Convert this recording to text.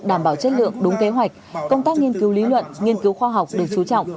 đảm bảo chất lượng đúng kế hoạch công tác nghiên cứu lý luận nghiên cứu khoa học được chú trọng